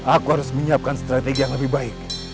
aku harus menyiapkan strategi yang lebih baik